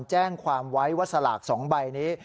แจ้งความไว้ว่าสลาก๒ใบนี้